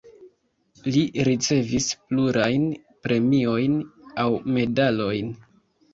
Li ricevis plurajn premiojn aŭ medalojn.